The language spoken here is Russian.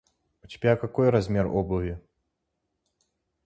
У тебя какой размер обуви?